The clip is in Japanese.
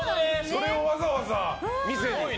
それをわざわざ見せに。